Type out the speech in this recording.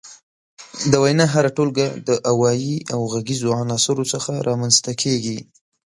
د وينا هره ټولګه د اوايي او غږيزو عناصرو څخه رامنځ ته کيږي.